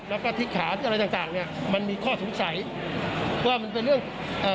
แล้วก็ที่ขาที่อะไรต่างต่างเนี้ยมันมีข้อสงสัยว่ามันเป็นเรื่องเอ่อ